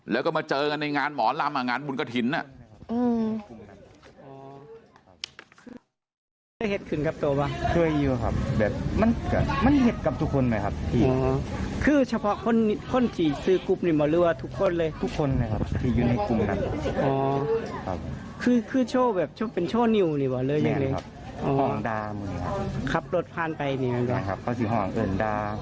แล้วก็มาเจอกันในงานหมอลำงานบุญกระถิ่น